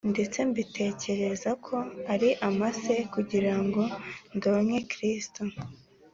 ndetse mbitekereza ko ari amase, kugira ngo ndonke Kristo